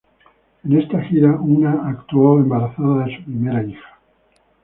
En esta gira Una actuó embarazada de su primera hija.